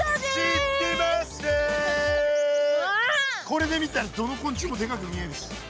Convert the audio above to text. これで見たらどの昆虫もでかく見えるし。